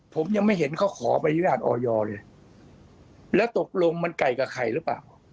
ผมยังไม่เห็นเขาขอใบอนุญาตออยเลยแล้วตกลงมันไก่กับใครหรือเปล่า